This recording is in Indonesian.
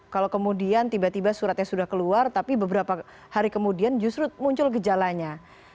kalau kemudian tiba tiba suratnya sudah keluar tapi beberapa hari kemudian justru muncul gejalanya